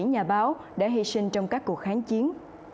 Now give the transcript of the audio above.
nhà báo đã hy sinh trong các cuộc kháng chiến